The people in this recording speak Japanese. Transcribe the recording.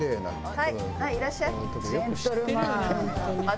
はいはいいらっしゃい。